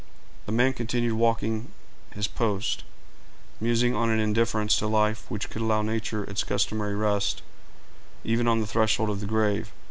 The man continued walking his post, musing on an indifference to life which could allow nature its customary rest, even on the threshold of the grave.